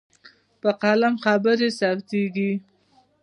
په قلم خبرې ثبتېږي.